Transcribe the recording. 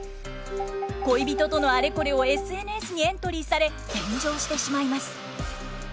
恋人とのアレコレをＳＮＳにエントリーされ炎上してしまいます。